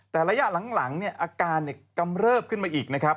แต่ระยะหลังอาการกำเริบขึ้นมาอีกนะครับ